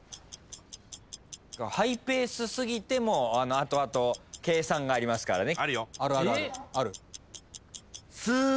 ハイペースすぎても後々計算がありますからね。